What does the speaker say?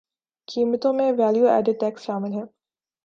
قیمتوں میں value added tax شامل ہے